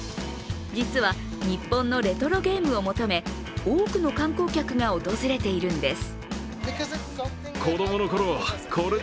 実は日本のレトロゲームを求め多くの観光客が訪れているんです。